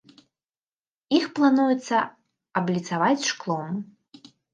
Іх плануецца абліцаваць шклом.